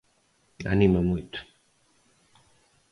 Anima moito.